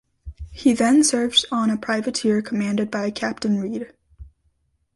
He then served on a privateer commanded by a Captain Reed.